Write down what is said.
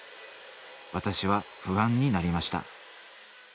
私は不安になりました